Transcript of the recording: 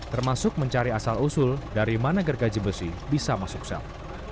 termasuk mencari asal usul dari mana gergaji besi bisa masuk sel